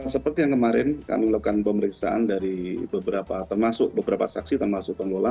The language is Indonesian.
seperti yang kemarin kami lakukan pemeriksaan dari beberapa termasuk beberapa saksi termasuk pengelola